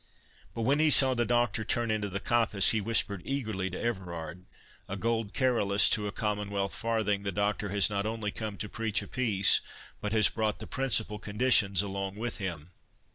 But when he saw the Doctor turn into the coppice, he whispered eagerly to Everard—"A gold Carolus to a commonwealth farthing, the Doctor has not only come to preach a peace, but has brought the principal conditions along with him!"